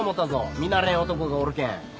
見慣れん男がおるけん。